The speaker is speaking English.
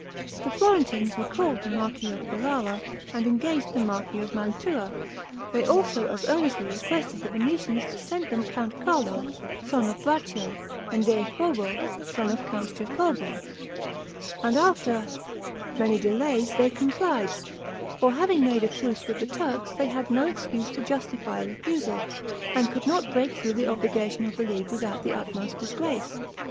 The Florentines recalled the marquis of Ferrara, and engaged the marquis of Mantua; they also as earnestly requested the Venetians to send them Count Carlo, son of Braccio, and Deifobo, son of Count Jacopo, and after many delays, they complied; for having made a truce with the Turks, they had no excuse to justify a refusal, and could not break through the obligation of the League without the utmost disgrace.